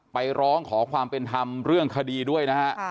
ร้องขอความเป็นธรรมเรื่องคดีด้วยนะฮะ